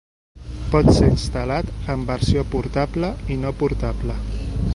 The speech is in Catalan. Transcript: Pot ser instal·lat en versió portable i no portable.